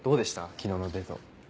昨日のデート。